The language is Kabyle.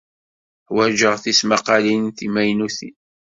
Ḥwajeɣ tismaqqalin d timaynutin.